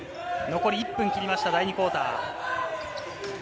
残り１分を切りました第２クオーター。